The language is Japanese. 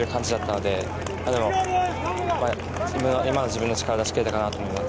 でも今の自分の力を出し切れたかなと思います。